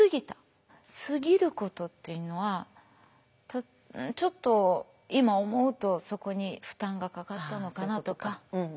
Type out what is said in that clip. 過ぎることというのはちょっと今思うとそこに負担がかかったのかなとか。